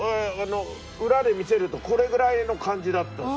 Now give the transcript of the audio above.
裏で見せるとこれぐらいの感じだったんですよ